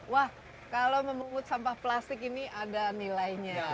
wah kalau memungut sampah plastik ini ada nilainya